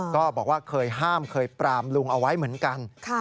ก็บอกว่าเคยห้ามเคยปรามลุงเอาไว้เหมือนกัน